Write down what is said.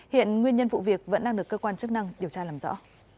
hiện nguyên nhân vụ việc vẫn đang được cơ quan chức năng điều tra làm rõ